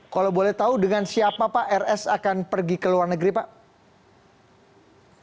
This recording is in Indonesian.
kalau boleh tahu dengan siapa pak rs akan pergi ke luar negeri pak